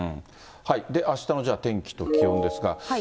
あしたのじゃあ、天気と気温ですが。